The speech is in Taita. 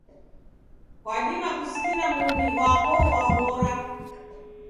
Kwadima kusikira muw'i ghwako ghwahora.